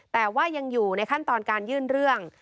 แต่ว่ายังอยู่ในขั้นตอนการยื่นเรื่อง